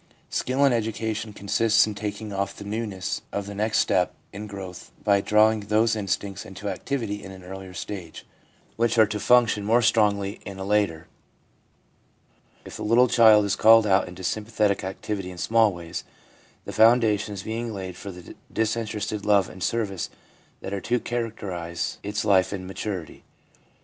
Skill in education consists in taking off the newness of the next step in growth, by drawing those instincts into activity in an earlier stage, which are to function more strongly in a later. If the little child is called out into sympathetic activity in small ways, the foundations are being laid for the disinterested love and service that are to char acterise its life in maturity.